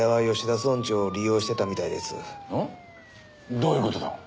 どういう事だ？